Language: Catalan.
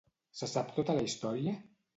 Se sap tota la història?